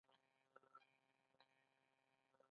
زموږ له لیدو سره ډېر حیران شو.